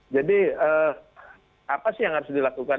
jadi apa sih yang harus dilakukan